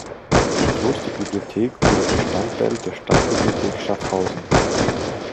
Die Klosterbibliothek wurde Bestandteil der Stadtbibliothek Schaffhausen.